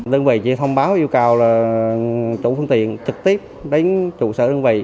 đơn vị chỉ thông báo yêu cầu là chủ phương tiện trực tiếp đến trụ sở đơn vị